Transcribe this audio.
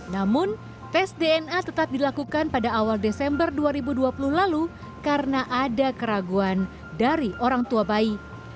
namun tes dna tetap dilakukan pada awal desember dua ribu dua puluh lalu karena ada keraguan dari orang tua bayi